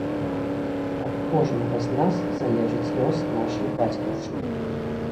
Ад кожнага з нас залежыць лёс нашай бацькаўшчыны!